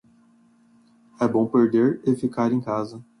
É bom perder e ficar em casa.